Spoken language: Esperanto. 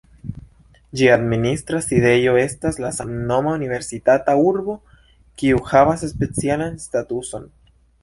Ĝia administra sidejo estas la samnoma universitata urbo, kiu havas specialan statuson.